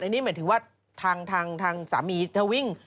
นี่หมายถึงว่าทางสามีเธอวิ่ง